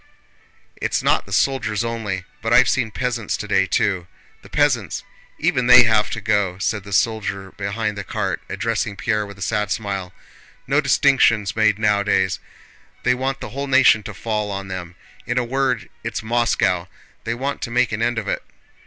"It's not the soldiers only, but I've seen peasants today, too.... The peasants—even they have to go," said the soldier behind the cart, addressing Pierre with a sad smile. "No distinctions made nowadays.... They want the whole nation to fall on them—in a word, it's Moscow! They want to make an end of it."